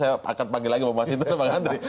saya akan panggil lagi pak mas indra dan pak andri